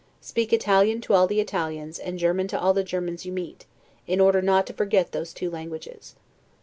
Speak Italian to all the Italians, and German to all the Germans you meet, in order not to forget those two languages.